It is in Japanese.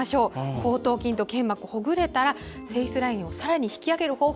後頭筋と腱膜がほぐれたらフェイスラインをさらに引き上げる方法